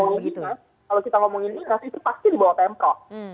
kalau kita ngomongin inggris itu pasti di bawah pempro